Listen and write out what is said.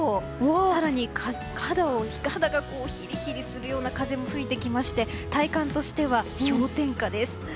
更に肌がひりひりするような風も吹いてきまして体感としては氷点下です。